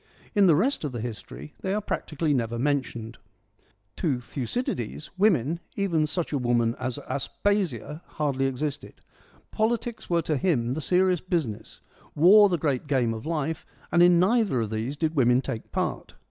In the rest of the History they are practically never mentioned. To Thucydides, women, even such a woman as Aspasia, hardly existed. Politics were to him the serious business, war the great game of life, and in neither of these did women take part.